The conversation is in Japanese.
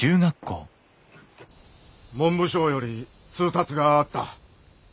文部省より通達があった。